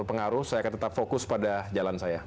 pengaruh saya akan tetap fokus pada jalan saya